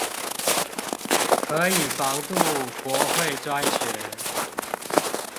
可以防杜國會專權